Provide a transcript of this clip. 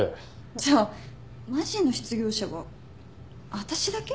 じゃあマジの失業者は私だけ？